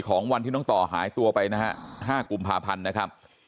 ของวันที่น้องต่อหายตัวไปนะฮะ๕กุมภาพันธ์นะครับ